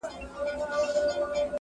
چي د ځوانیو هدیرې وژاړم-